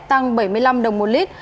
tăng bảy mươi năm đồng một lit